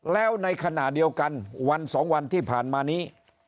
แล้วในขณะเดียวกันวัน๒วันที่ผ่านมานี้